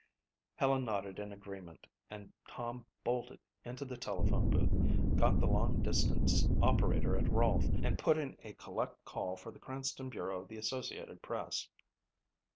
Helen nodded in agreement and Tom bolted into the telephone booth, got the long distance operator at Rolfe and put in a collect call for the Cranston bureau of the Associated Press.